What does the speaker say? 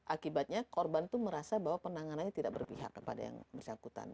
akibatnya korban itu merasa bahwa penanganannya tidak berpihak kepada yang bersangkutan